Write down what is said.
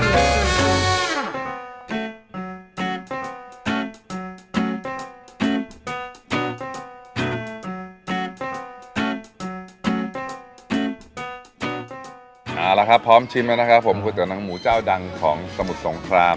เอาละครับพร้อมชิมแล้วนะครับผมก๋วหนังหมูเจ้าดังของสมุทรสงคราม